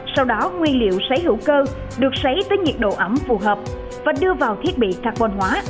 sau đó nguyên liệu sấy hữu cơ được sấy tới nhiệt độ ẩm phù hợp và đưa vào thiết bị carbon hóa